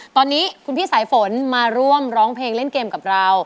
ตอนนี้คุณพี่สายฝนมาร่วมร้องเพลงเล่นเกมกับเรา